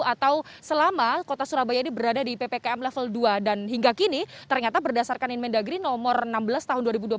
atau selama kota surabaya ini berada di ppkm level dua dan hingga kini ternyata berdasarkan inmen dagri nomor enam belas tahun dua ribu dua puluh satu